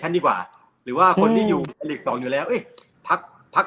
ดีกว่าหรือว่าคนที่อยู่หลีกสองอยู่แล้วเอ๊ะพักพัก